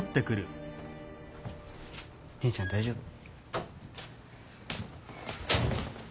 姉ちゃん大丈夫？